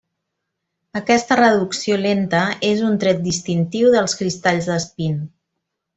Aquesta reducció lenta és un tret distintiu dels cristalls d'espín.